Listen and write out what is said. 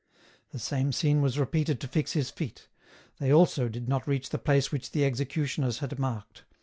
The same scene was repeated to fix His feet. They also did not reach the place which the executioners had marked.